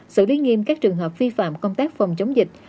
xử lý nghiêm các trường hợp vi phạm công tác phòng chống dịch